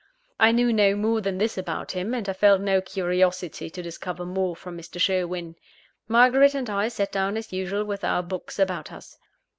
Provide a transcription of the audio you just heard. I knew no more than this about him, and I felt no curiosity to discover more from Mr. Sherwin. Margaret and I sat down as usual with our books about us.